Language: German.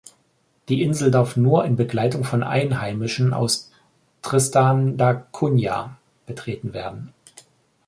Die Insel darf nur in Begleitung von Einheimischen aus Tristan da Cunha betreten werden.